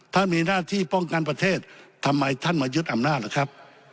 มีหน้าที่ป้องกันประเทศทำไมท่านมายึดอำนาจล่ะครับ